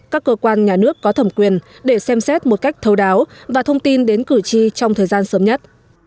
các cơ quan nhà nước có thẩm quyền để xem xét một cách thấu đáo và thông tin đến cử tri trong thời gian sớm nhất